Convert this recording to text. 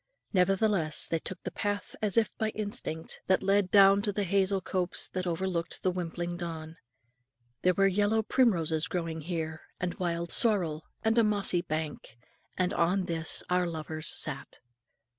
Nevertheless they took the path as if by instinct, that led down into the hazel copse that overlooked the wimpling Don. There were yellow primroses growing here, and wild sorrel, and a mossy bank; and on this our lovers sat.